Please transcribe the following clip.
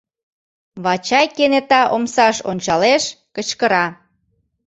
Вачай кенета омсаш ончалеш, кычкыра: